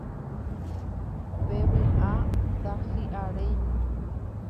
Pe vy'a ndahi'aréi